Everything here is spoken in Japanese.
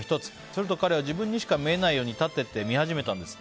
すると彼は自分にしか見えないように立てて見始めたんです。